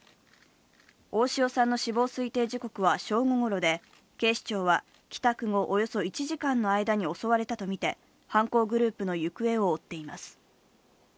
大塩さんの死亡推定時刻は正午ごろで、警視庁は帰宅後およそ１時間の間に襲われたとみて犯行グループの行方を追っています。